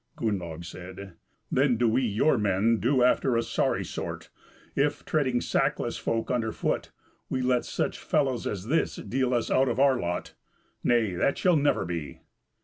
Gunnlaug said, "Then do we, your men, do after a sorry sort, if, treading sackless folk under foot, we let such fellows as this deal us out our lot. Nay, that shall never be."